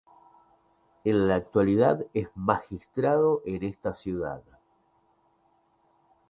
En la actualidad, es magistrado en esta ciudad.